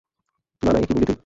না, না, এ কী বললি তুই?